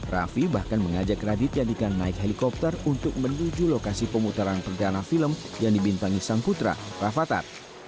raffi bahkan mengajak raditya dika naik helikopter untuk menuju lokasi pemutaran perdana film yang dibintangi sang putra rafathat